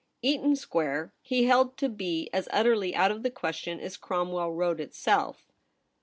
Eaton Square he held to be as utterly out of the question as Cromwell Road itself.